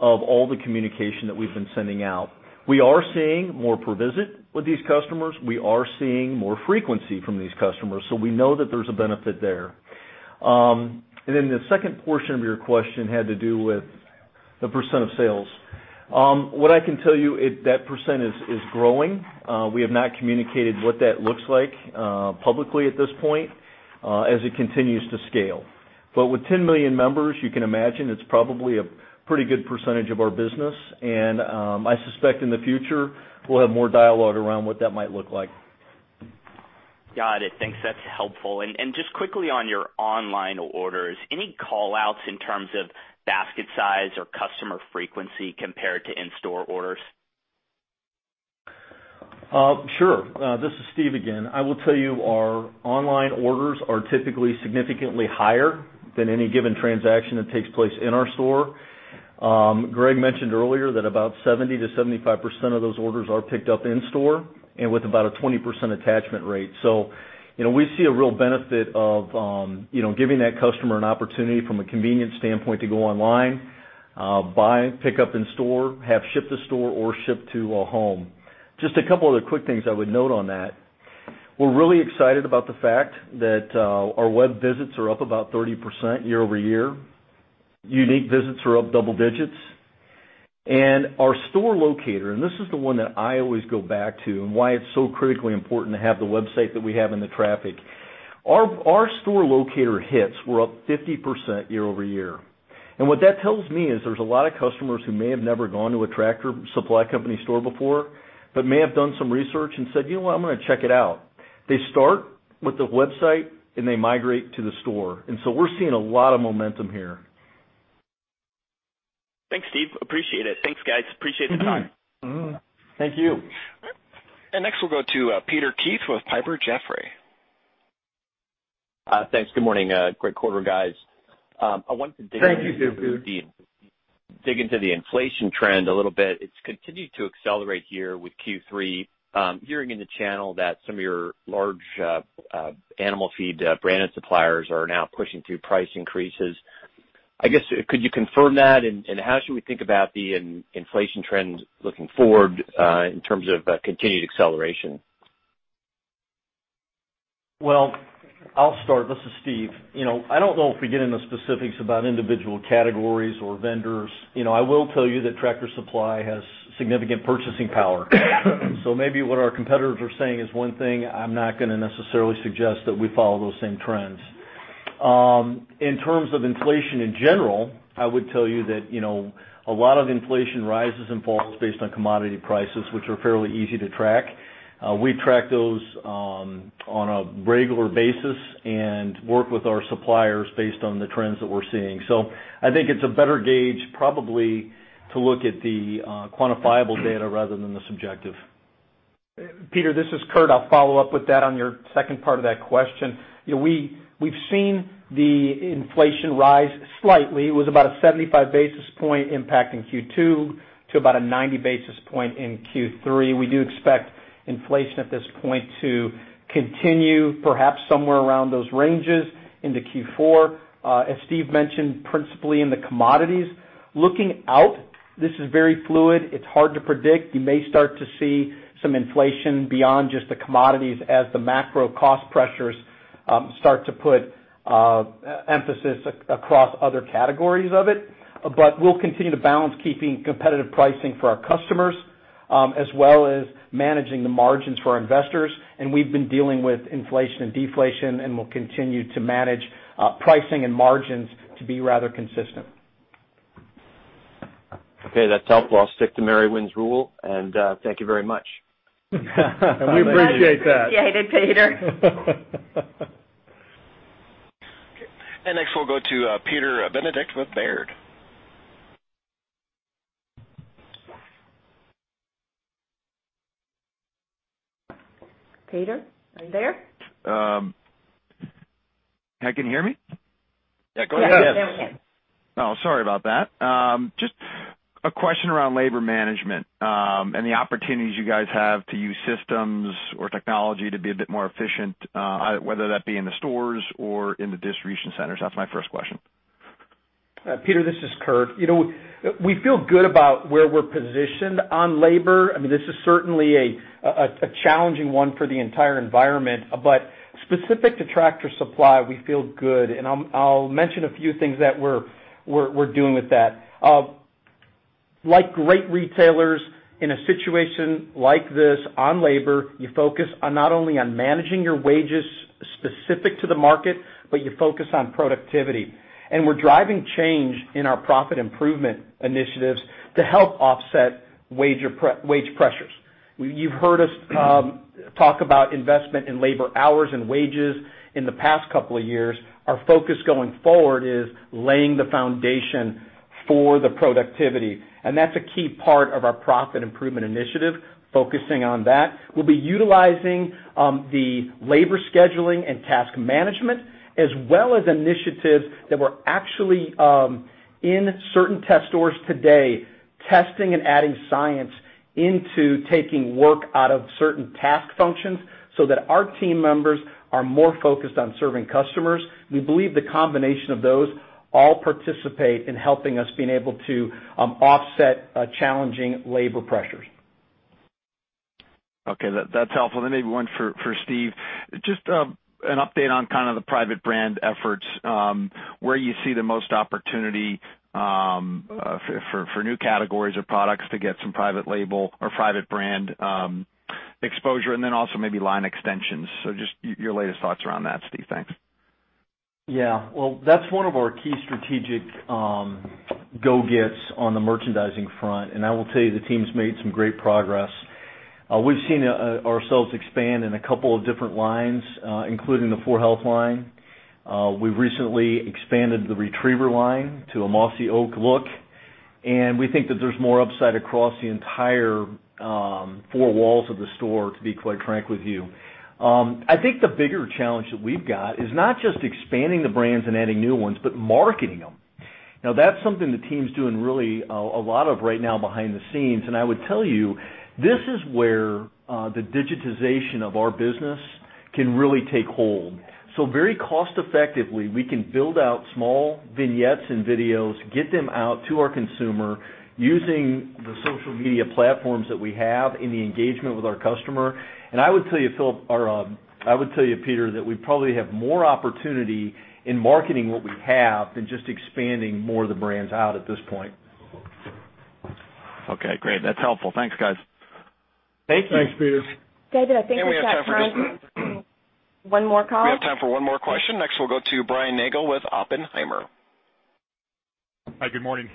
of all the communication that we've been sending out. We are seeing more per visit with these customers. We are seeing more frequency from these customers, so we know that there's a benefit there. The second portion of your question had to do with the % of sales. What I can tell you, that % is growing. We have not communicated what that looks like publicly at this point as it continues to scale. With 10 million members, you can imagine it's probably a pretty good percentage of our business. I suspect in the future, we'll have more dialogue around what that might look like. Got it. Thanks. That's helpful. Just quickly on your online orders, any call-outs in terms of basket size or customer frequency compared to in-store orders? Sure. This is Steve again. I will tell you our online orders are typically significantly higher than any given transaction that takes place in our store. Greg mentioned earlier that about 70%-75% of those orders are picked up in store and with about a 20% attachment rate. We see a real benefit of giving that customer an opportunity from a convenience standpoint to go online, buy, pick up in store, have ship to store or ship to a home. Just a couple other quick things I would note on that. We're really excited about the fact that our web visits are up about 30% year-over-year. Unique visits are up double digits. Our store locator, and this is the one that I always go back to and why it's so critically important to have the website that we have and the traffic. Our store locator hits were up 50% year-over-year. What that tells me is there's a lot of customers who may have never gone to a Tractor Supply Company store before but may have done some research and said, "You know what? I'm going to check it out." They start with the website, and they migrate to the store. We're seeing a lot of momentum here. Thanks, Steve. Appreciate it. Thanks, guys. Appreciate the time. Thank you. Next, we'll go to Peter Keith with Piper Jaffray. Thanks. Good morning. Great quarter, guys. Thank you, Peter. Dig into the inflation trend a little bit. It's continued to accelerate here with Q3. Hearing in the channel that some of your large animal feed branded suppliers are now pushing through price increases. I guess, could you confirm that? How should we think about the inflation trends looking forward in terms of continued acceleration? I'll start. This is Steve. I don't know if we get into specifics about individual categories or vendors. I will tell you that Tractor Supply has significant purchasing power. Maybe what our competitors are saying is one thing, I'm not going to necessarily suggest that we follow those same trends. In terms of inflation in general, I would tell you that a lot of inflation rises and falls based on commodity prices, which are fairly easy to track. We track those on a regular basis and work with our suppliers based on the trends that we're seeing. I think it's a better gauge probably to look at the quantifiable data rather than the subjective. Peter, this is Kurt. I'll follow up with that on your second part of that question. We've seen the inflation rise slightly. It was about a 75 basis point impact in Q2 to about a 90 basis point in Q3. We do expect inflation at this point to continue perhaps somewhere around those ranges into Q4. As Steve mentioned, principally in the commodities. Looking out, this is very fluid. It's hard to predict. You may start to see some inflation beyond just the commodities as the macro cost pressures start to put emphasis across other categories of it. We'll continue to balance keeping competitive pricing for our customers, as well as managing the margins for our investors. We've been dealing with inflation and deflation, and we'll continue to manage pricing and margins to be rather consistent. Okay, that's helpful. I'll stick to Mary Winn's rule, and thank you very much. We appreciate that. Much appreciated, Peter. Okay. Next we'll go to Peter Benedict with Baird. Peter, are you there? Can you hear me? Yeah, go ahead. Yeah. Now we can. Oh, sorry about that. Just a question around labor management, and the opportunities you guys have to use systems or technology to be a bit more efficient, whether that be in the stores or in the distribution centers. That's my first question. Peter, this is Kurt. We feel good about where we're positioned on labor. I mean, this is certainly a challenging one for the entire environment. Specific to Tractor Supply, we feel good. I'll mention a few things that we're doing with that. Like great retailers in a situation like this on labor, you focus on not only on managing your wages specific to the market, but you focus on productivity. We're driving change in our profit improvement initiatives to help offset wage pressures. You've heard us talk about investment in labor hours and wages in the past couple of years. Our focus going forward is laying the foundation for the productivity, that's a key part of our profit improvement initiative, focusing on that. We'll be utilizing the labor scheduling and task management, as well as initiatives that were actually in certain test stores today, testing and adding science into taking work out of certain task functions so that our team members are more focused on serving customers. We believe the combination of those all participate in helping us being able to offset challenging labor pressures. Okay. That's helpful. Maybe one for Steve. Just an update on the private brand efforts, where you see the most opportunity for new categories or products to get some private label or private brand exposure, and then also maybe line extensions. Just your latest thoughts around that, Steve. Thanks. Yeah. Well, that's one of our key strategic go-gets on the merchandising front. I will tell you, the team's made some great progress. We've seen ourselves expand in a couple of different lines, including the 4health line. We've recently expanded the Retriever line to a Mossy Oak look, and we think that there's more upside across the entire four walls of the store, to be quite frank with you. I think the bigger challenge that we've got is not just expanding the brands and adding new ones, but marketing them. That's something the team's doing really a lot of right now behind the scenes. I would tell you, this is where the digitization of our business can really take hold. Very cost effectively, we can build out small vignettes and videos, get them out to our consumer using the social media platforms that we have and the engagement with our customer. I would tell you, Peter, that we probably have more opportunity in marketing what we have than just expanding more of the brands out at this point. Okay, great. That's helpful. Thanks, guys. Thank you. Thanks, Peter. David, I think we've got time for one more call. We have time for one more question. Next, we'll go to Brian Nagel with Oppenheimer. Hi, good morning.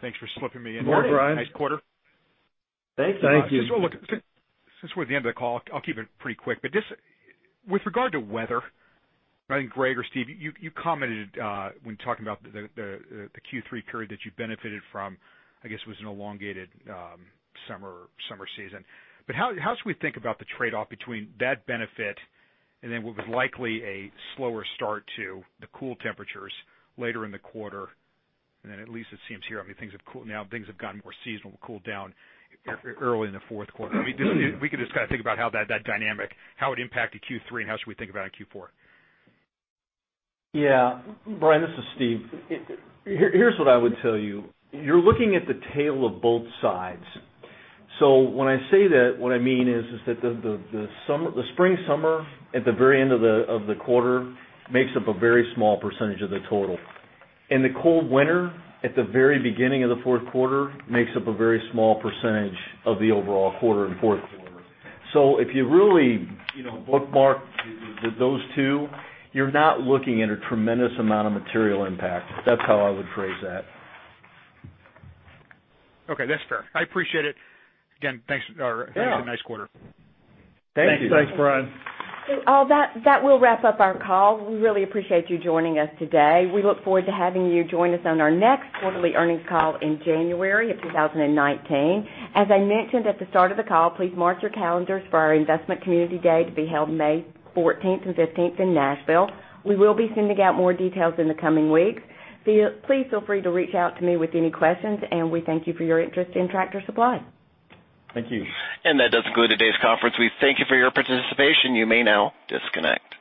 Thanks for slipping me in there. Morning, Brian. Nice quarter. Thank you. Thank you. Since we're at the end of the call, I'll keep it pretty quick. Just with regard to weather, Greg or Steve, you commented when talking about the Q3 period that you benefited from, I guess it was an elongated summer season. But how should we think about the trade-off between that benefit and then what was likely a slower start to the cool temperatures later in the quarter? At least it seems here, now things have gotten more seasonal, cooled down early in the fourth quarter. If we could just think about how that dynamic, how it impacted Q3 and how should we think about it in Q4. Yeah. Brian, this is Steve. Here's what I would tell you. You're looking at the tail of both sides. When I say that, what I mean is that the spring-summer at the very end of the quarter makes up a very small percentage of the total. The cold winter at the very beginning of the fourth quarter makes up a very small percentage of the overall quarter in fourth quarter. If you really bookmark those two, you're not looking at a tremendous amount of material impact. That's how I would phrase that. Okay. That's fair. I appreciate it. Again, thanks. Yeah. Had a nice quarter. Thank you. Thanks. Thanks, Brian. That will wrap up our call. We really appreciate you joining us today. We look forward to having you join us on our next quarterly earnings call in January of 2019. As I mentioned at the start of the call, please mark your calendars for our Investment Community Day to be held May 14th and 15th in Nashville. We will be sending out more details in the coming weeks. Please feel free to reach out to me with any questions, and we thank you for your interest in Tractor Supply. Thank you. That does conclude today's conference. We thank you for your participation. You may now disconnect.